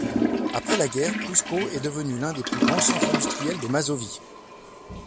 Après la guerre, Pruszków est devenu l'un des plus grands centres industriels de Mazovie.